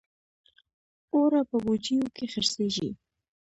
اوړه په بوجیو کې خرڅېږي